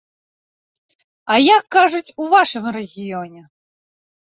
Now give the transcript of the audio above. А як кажуць у вашым рэгіёне?